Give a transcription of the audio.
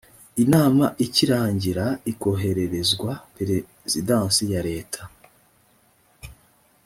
inama ikirangira ikohererezwa perezidansi ya leta